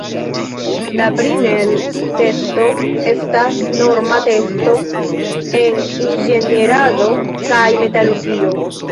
La Brinell-testo estas norma testo en inĝenierado kaj metalurgio.